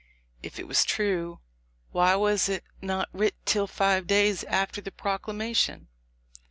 If it was true, why was it not writ till five days after the proclamation?